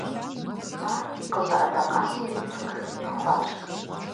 Ар къызэӀэдэкъауэри сыкъыхыфӀихуащ.